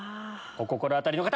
お心当たりの方！